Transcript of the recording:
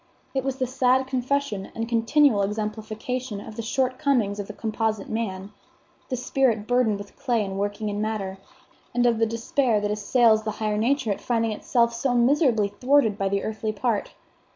It was the sad confession and continual exemplification of the shortcomings of the composite man, the spirit burdened with clay and working in matter, and of the despair that assails the higher nature at finding itself so miserably thwarted by the earthly part.